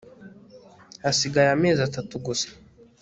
hasigaye amezi atatu gusa